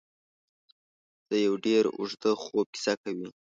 د یو ډېر اوږده خوب کیسه کوي.